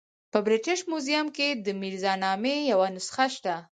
په برټش میوزیم کې د میرزا نامې یوه نسخه شته.